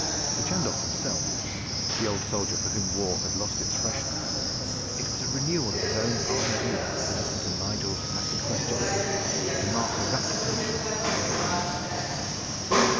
To Chandos himself, the old soldier for whom war had lost its freshness, it was a renewal of his own ardent youth to listen to Nigel's rapid questions and to mark the rapt attention with which he listened.